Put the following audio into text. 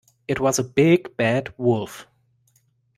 It was a big, bad wolf.